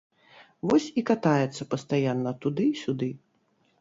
Вось і катаецца пастаянна туды-сюды.